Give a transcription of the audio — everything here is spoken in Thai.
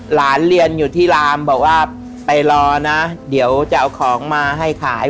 หลานเรียนอยู่ที่ลามบอกว่าไปรอนะเดี๋ยวจะเอาของมาให้ขาย